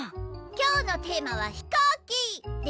今日のテーマは飛行機！で